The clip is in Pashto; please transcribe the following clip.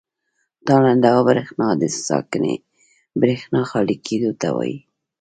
تالنده او برېښنا د ساکنې برېښنا خالي کېدو ته وایي.